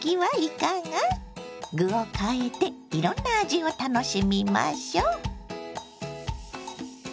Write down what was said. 具を変えていろんな味を楽しみましょ。